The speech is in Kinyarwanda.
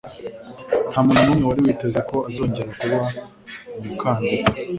Ntamuntu numwe wari witeze ko azongera kuba umukandida.